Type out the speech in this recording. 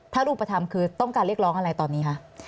ถ้ารูปธรรมคือต้องการเรียกร้องอะไรตอนนี้คะ